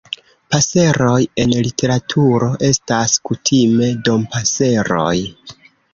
Paseroj en literaturo estas kutime Dompaseroj.